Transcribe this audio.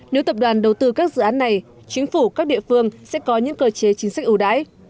nếu tập đoàn đầu tư các dự án này chính phủ các địa phương sẽ có những cơ chế chính sách ưu đãi